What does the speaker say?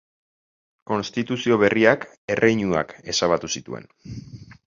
Konstituzio berriak erreinuak ezabatu zituen.